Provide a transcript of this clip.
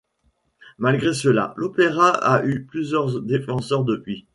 Malgré cela, l'opéra a eu plusieurs défenseurs depuis.